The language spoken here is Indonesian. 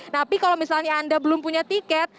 tapi kalau misalnya anda belum punya tiket